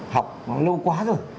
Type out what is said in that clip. học lâu quá rồi